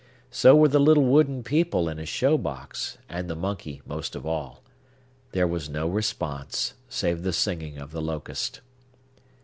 So were the little wooden people in his show box, and the monkey most of all. There was no response, save the singing of the locust.